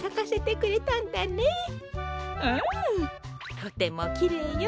とてもきれいよ。